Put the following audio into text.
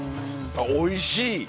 おいしい！